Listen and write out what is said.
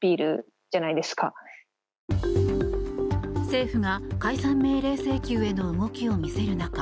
政府が解散命令請求への動きを見せる中